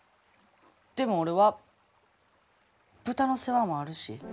でも俺は豚の世話もあるし。